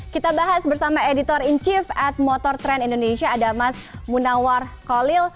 kita bahas bersama editor in chief at motor tren indonesia ada mas munawar kolil